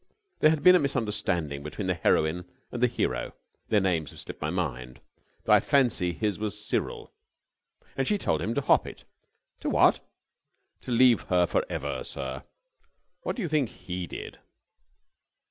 There had been a misunderstanding between the heroine and the hero their names have slipped my mind, though I fancy his was Cyril and she had told him to hop it...." "To what?" "To leave her for ever, sir. And what do you think he did?"